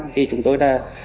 thì chúng tôi đã